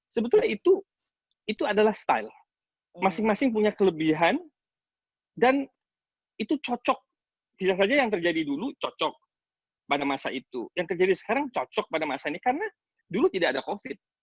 sebetulnya itu adalah style masing masing punya kelebihan dan itu cocok tidak saja yang terjadi dulu cocok pada masa itu yang terjadi sekarang cocok pada masa ini karena dulu tidak ada covid